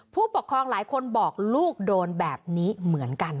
ผู้ปกครองหลายคนบอกลูกโดนแบบนี้เหมือนกัน